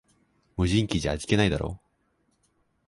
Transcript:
無人機じゃ味気ないだろ